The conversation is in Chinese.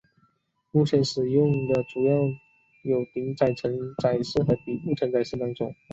目前使用的主要有顶部承载式和底部承载式两种。